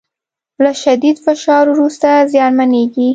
له شدید فشار وروسته زیانمنېږي